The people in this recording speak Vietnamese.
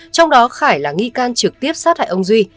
trong đó khải là nghi can trực tiếp sát hại ông duy